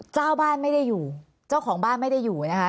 เจ้าบ้านไม่ได้อยู่เจ้าของบ้านไม่ได้อยู่นะคะ